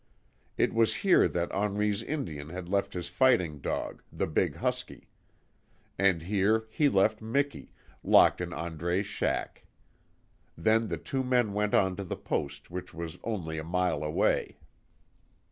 It was here that Henri's Indian had left his fighting dog, the big husky. And here he left Miki, locked in Andre's shack. Then the two men went on to the Post which was only a mile away.